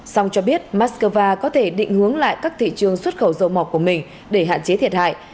xong cho biết mắc cơ va có thể định hướng lại các thị trường xuất khẩu dầu mỏ của mình để hạn chế thiệt hại